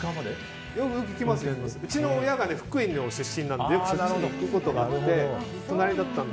うちの親が福井の出身でよくそっちに行くことがあって。